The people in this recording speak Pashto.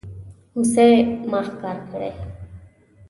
هوسۍ ما ښکار کړي